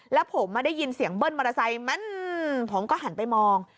แล้วผมได้ยินเสียงเบิ้ลมอเตอร์ไซค์ผมก็หันไปมอง